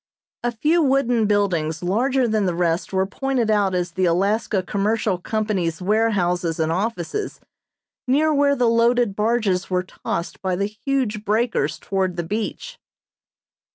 A few wooden buildings larger than the rest were pointed out as the Alaska Commercial Company's warehouses and offices, near where the loaded barges were tossed by the huge breakers toward the beach.